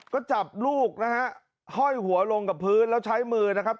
ก็จับลูกนะฮะห้อยหัวลงกับพื้นแล้วใช้มือนะครับ